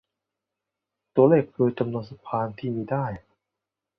ตัวเลขคือจำนวนสะพานที่มีได้